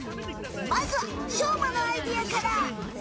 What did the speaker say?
まずはしょうまのアイデアから。